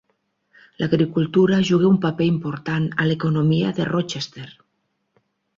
L'agricultura juga un paper important a l'economia de Rochester.